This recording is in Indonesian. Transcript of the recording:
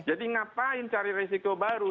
jadi ngapain cari resiko baru